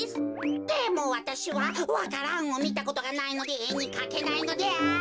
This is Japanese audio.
でもわたしはわか蘭をみたことがないのでえにかけないのである。